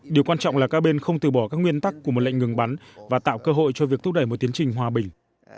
điều quan trọng là các bên không từ bỏ các nguyên tắc của một lệnh ngừng bắn và tạo cơ hội cho việc thúc đẩy một tiến trình hòa bình